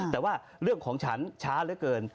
แต่ว่าเรื่องของฉันช้าเหลือเกิน